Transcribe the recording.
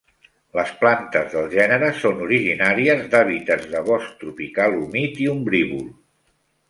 Les plantes del gènere són originàries d'hàbitats de bosc tropical humit i ombrívol.